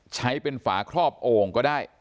ใช้เป็นฝาครอบโอ่งก็ได้